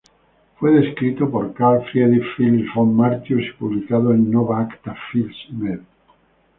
Fue descrito por Carl Friedrich Philipp von Martius y publicado en "Nova Acta Phys.-Med.